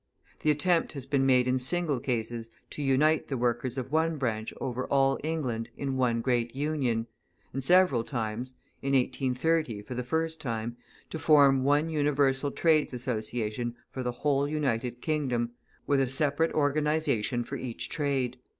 The attempt has been made in single cases to unite the workers of one branch over all England in one great Union; and several times (in 1830 for the first time) to form one universal trades association for the whole United Kingdom, with a separate organisation for each trade.